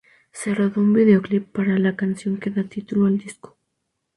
Se rodó un videoclip para la canción que da título al disco.